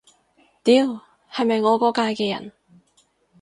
屌，係咪我嗰屆嘅人